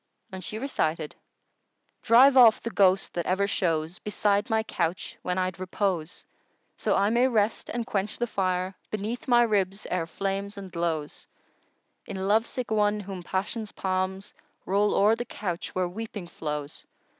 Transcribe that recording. And she recited, "Drive off the ghost that ever shows * Beside my couch when I'd repose, So I may rest and quench the fire * Beneath my ribs e'er flames and glows In love sick one, whom passion's palms * Roll o'er the couch where weeping flows.